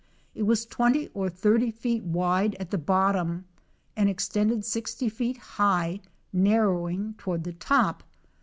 It was 20 or 80 feet wide at the bottom, and extended 60 feet high narrowing toward the top.